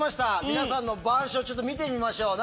皆さんの板書見てみましょう。